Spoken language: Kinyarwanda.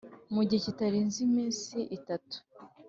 Mu gihe kitarenze iminsi itatu